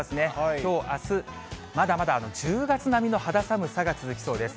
きょう、あす、まだまだ１０月並みの肌寒さが続きそうです。